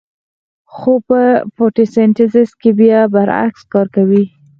خو په فتوسنتیز کې بیا برعکس کار کوي